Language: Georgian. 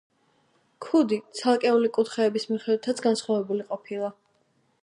ქუდი ცალკეული კუთხეების მიხედვითაც განსხვავებული ყოფილა.